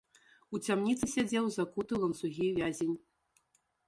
У цямніцы сядзеў закуты ў ланцугі вязень.